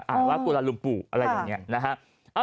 อ่านว่ากูลาลุมปู่อะไรอย่างนี้